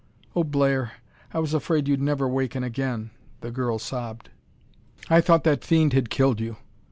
"Oh, Blair, I was afraid you'd never waken again," the girl sobbed. "I thought that fiend had killed you!"